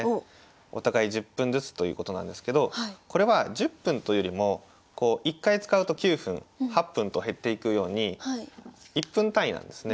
お互い１０分ずつということなんですけどこれは１０分というよりも１回使うと９分８分と減っていくように１分単位なんですね。